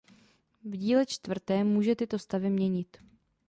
V díle čtvrtém může tyto stavy měnit.